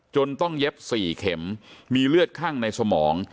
จนต้องเย็บ๔เข็มมีเลือดข้างในสมอง